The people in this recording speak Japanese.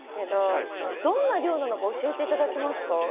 どんな漁なのか教えていただけますか？